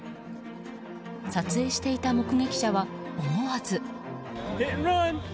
撮影していた目撃者は思わず。